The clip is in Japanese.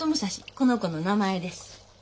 この子の名前です。